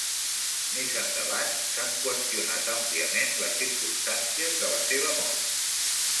Més endavant s'han qüestionat àmpliament les circumstàncies de la seva mort.